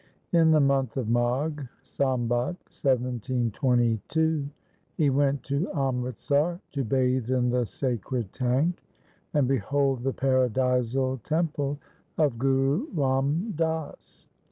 In the month of Magh, Sambat 1722, he went to Amritsar to bathe in the sacred tank, and behold the paradisal temple of Guru Ram Das.